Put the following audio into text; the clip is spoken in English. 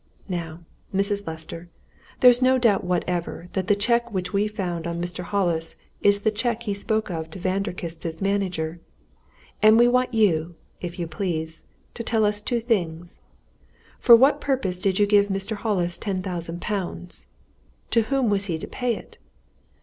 Now, Mrs. Lester, there's no doubt whatever that the cheque which we found on Mr. Hollis is the cheque he spoke of to Vanderkiste's manager. And we want you, if you please, to tell us two things: For what purpose did you give Mr. Hollis ten thousand pounds? To whom was he to pay it?